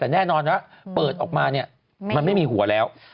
แต่แน่นอนว่าเปิดออกมาเนี่ยมันไม่มีหัวแล้ว